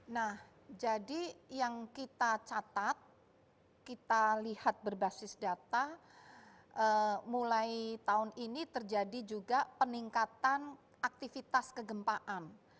nah jadi yang kita catat kita lihat berbasis data mulai tahun ini terjadi juga peningkatan aktivitas kegempaan